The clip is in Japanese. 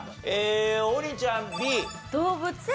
王林ちゃんＢ。